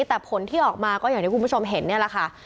แต่ผลที่ออกมาก็อย่างที่คุณผู้ชมเห็นนี่แหละค่ะ